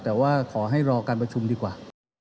แต่ว่าขอให้รอการประชุมดีกว่า